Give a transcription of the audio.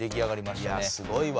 いやすごいわ。